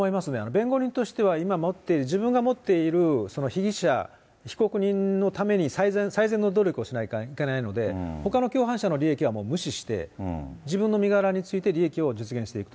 弁護人としては、今持っている、自分が持っているその被疑者、被告人のために最善の努力をしないといけないので、ほかの共犯者の利益は無視して、自分の身柄について利益を実現していく。